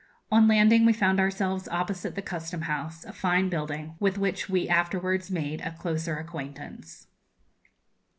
On landing, we found ourselves opposite the Custom House, a fine building, with which we afterwards made a closer acquaintance.